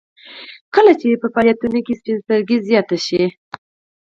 کله چې په فعالیتونو کې سپین سترګي زیاته شوه